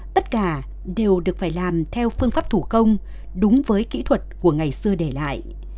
tất cả đều được phải làm theo phương pháp thủ công đúng với kỹ thuật của ngày xưa để lại